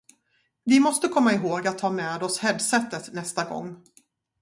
Vi måste komma ihåg att ta med oss head-setet nästa gång.